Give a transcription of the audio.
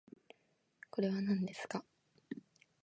これはなんですか